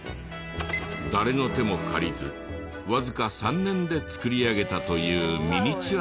誰の手も借りずわずか３年で作り上げたというミニチュアの東京。